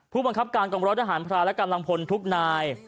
ผู้บังคับการกองร้อยทหารพราและกำลังพลทุกนาย